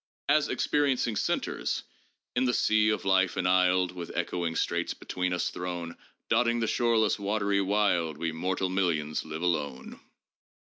As experiencing centers, —" in the sea of life enisled, With echoing straits between us thrown, Dotting the shoreless watery wild, We mortal millions live alone."